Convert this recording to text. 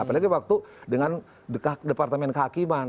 apalagi waktu dengan departemen kehakiman